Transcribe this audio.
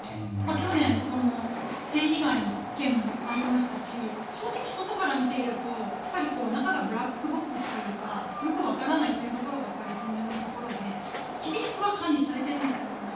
去年、性被害の件もありましたし正直、外から見ていると中がブラックボックスというかよくわからないというところが本音のところで厳しくは管理されてるんだと思います。